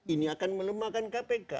ini akan melemahkan kpk